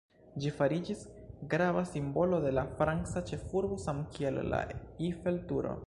Ĝi fariĝis grava simbolo de la franca ĉefurbo, samkiel la Eiffel-Turo.